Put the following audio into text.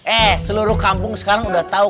eh seluruh kampung sekarang udah tahu